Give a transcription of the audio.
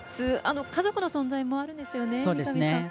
家族の存在もあるんですよね。